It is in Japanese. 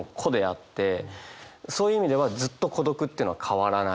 そういう意味ではずっと孤独っていうのは変わらない。